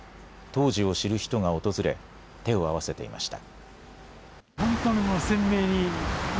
当時を知る人が訪れ、手を合わせていました。